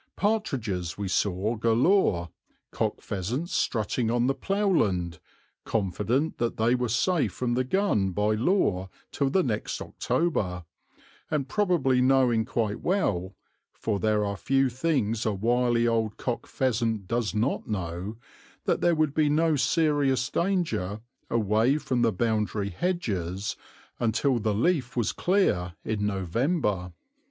Partridges we saw galore, cock pheasants strutting on the ploughland, confident that they were safe from the gun by law till the next October, and probably knowing quite well for there are few things a wily old cock pheasant does not know that there would be no serious danger, away from boundary hedges, until the leaf was clear in November.